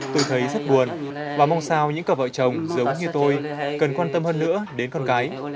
tôi thấy rất buồn và mong sao những cặp vợ chồng giống như tôi cần quan tâm hơn nữa đến con cái